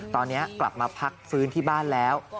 ตอนนี้กลับมาพักฟื้นที่บ้านแล้ว